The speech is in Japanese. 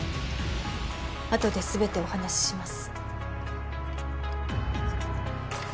あとで全てお話しします